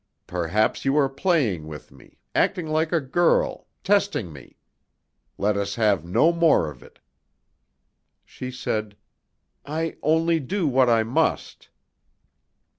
Perhaps you are playing with me, acting like a girl, testing me. Let us have no more of it." She said: "I only do what I must."